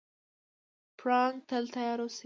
پړانګ تل تیار اوسي.